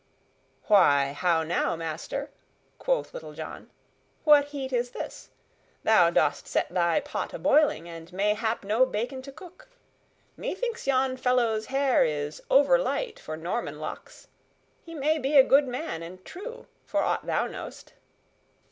"Why, how now, master," quoth Little John, "what heat is this? Thou dost set thy pot a boiling, and mayhap no bacon to cook! Methinks yon fellow's hair is overlight for Norman locks. He may be a good man and true for aught thou knowest."